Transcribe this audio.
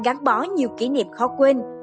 gắn bó nhiều kỷ niệm khó quên